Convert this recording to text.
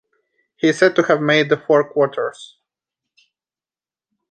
He is said to have made the four quarters.